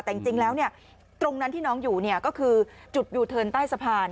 แต่จริงแล้วตรงนั้นที่น้องอยู่ก็คือจุดยูเทิร์นใต้สะพาน